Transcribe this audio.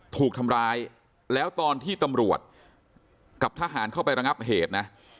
ถูกทำร้ายแล้วตอนที่ตำรวจกับทหารเข้าไประงับเหตุนะ